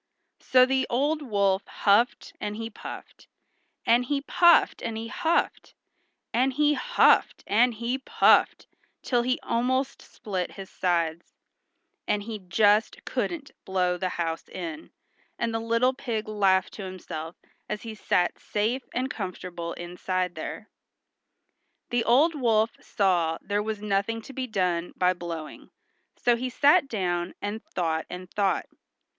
So the old wolf huffed and he puffed, and he puffed and he huffed, and he +HUFFED AND HE PUFFED+ till he almost split his sides, and he just couldn't blow the house in, and the little pig laughed to himself as he sat safe and comfortable inside there. The old wolf saw there was nothing to be done by blowing, so he sat down and thought and thought.